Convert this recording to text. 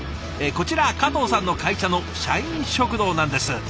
こちら加藤さんの会社の社員食堂なんです。